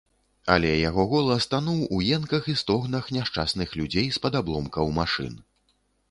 Але яго голас тануў у енках і стогнах няшчасных людзей з-пад абломкаў машын.